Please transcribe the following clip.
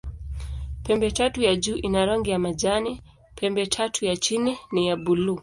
Pembetatu ya juu ina rangi ya majani, pembetatu ya chini ni ya buluu.